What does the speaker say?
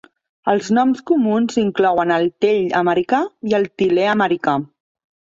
Els noms comuns inclouen el tell americà i el til·ler americà.